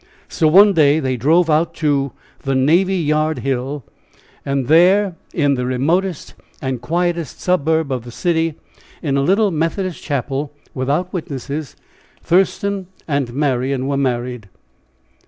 So one day they drove out to the Navy Yard Hill, and there in the remotest and quietest suburb of the city, in a little Methodist chapel, without witnesses, Thurston and Marian were married.